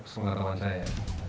sebelah teman saya